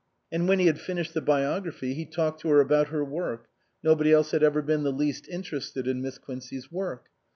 And when he had finished the biography he talked to her about her work (nobody else had ever been the least interested in Miss Quincey's work).